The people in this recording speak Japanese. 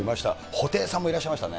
布袋さんもいらっしゃいましたね。